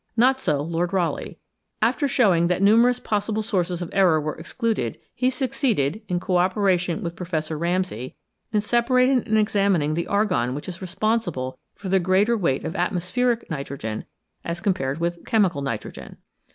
Not so Lord Rayleigh ; after showing that numerous possible sources of error were excluded, he succeeded, in co operation with Pro fessor Ramsay, in separating and examining the argon which is responsible for the greater weight of " atmos pheric " nitrogen as compared with " chemical " nitrogen.